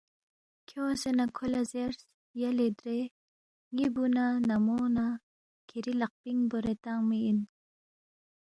کھیونگسے نہ کھو لہ زیرس، ”یلے درے ن٘ی بُو نہ نمو ن٘ا کِھری لقپِنگ بورے تنگمی اِن